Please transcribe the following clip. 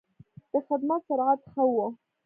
د خدمت سرعت ښه و.